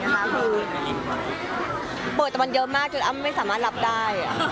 คือเปิดตำแหน่งเยอะมากจนอ้ำไม่สามารถรับได้